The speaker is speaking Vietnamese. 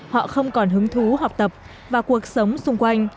họ không còn hứng thú học tập và cuộc sống xung quanh